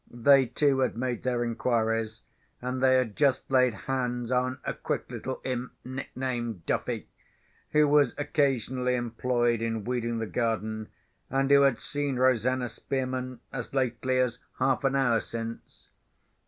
They too had made their inquiries; and they had just laid hands on a quick little imp, nicknamed "Duffy"—who was occasionally employed in weeding the garden, and who had seen Rosanna Spearman as lately as half an hour since.